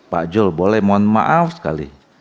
pak jul boleh mohon maaf sekali